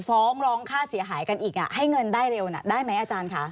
ฟ้องร้องค่าเสียหายกันอีกให้เงินได้เร็วน่ะได้ไหมอาจารย์ค่ะ